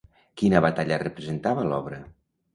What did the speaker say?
Quina batalla representava l'obra?